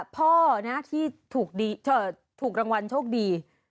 พ่อที่ถูกรางวัลโชคดี